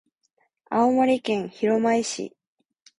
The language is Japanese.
青森県弘前市